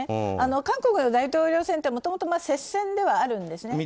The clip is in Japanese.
韓国の大統領選ってもともと接戦ではあるんですね。